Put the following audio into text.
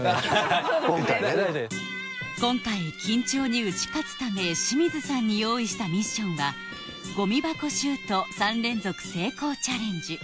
今回緊張に打ち勝つため清水さんに用意したミッションはゴミ箱シュート３連続成功チャレンジ